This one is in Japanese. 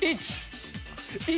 １！